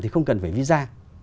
thì không cần phải visa